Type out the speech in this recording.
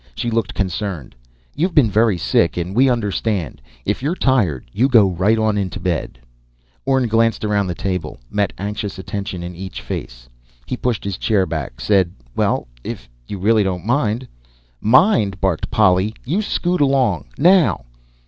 She looked concerned. "You've been very sick, and we understand. If you're tired, you go right on into bed." Orne glanced around the table, met anxious attention in each face. He pushed his chair back, said: "Well, if you really don't mind " "Mind!" barked Polly. "You scoot along now!"